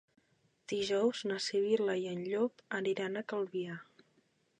Dijous na Sibil·la i en Llop aniran a Calvià.